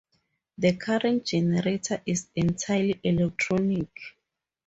The current generator is entirely electronic.